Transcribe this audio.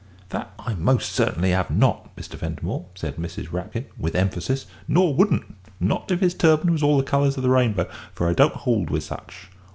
"That I most certainly 'ave not, Mr. Ventimore," said Mrs. Rapkin, with emphasis, "nor wouldn't. Not if his turbin was all the colours of the rainbow for I don't 'old with such.